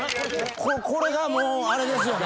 これがもうあれですよね。